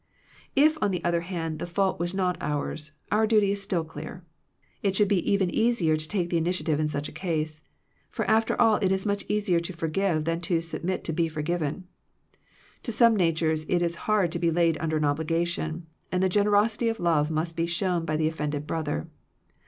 If, on the other hand, the fault was not ours, our duty is still clear. It should be even easier to take the initiative in such a case; for after all it is much easier to for give than to submit to be forgiven. To some natures it is hard to be laid under an obligation, and the generosity of love must be shown by the offended brother.